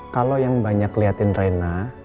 kalau yang banyak liatin rena